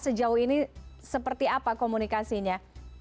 sejauh ini seperti apa komunikasinya